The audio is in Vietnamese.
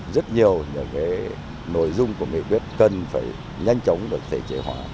rất nhiều những cái nội dung của nghị quyết cần phải nhanh chóng được thể chế hóa